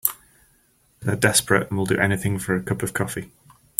They're desperate and will do anything for a cup of coffee.